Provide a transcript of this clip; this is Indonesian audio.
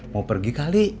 mau pergi kali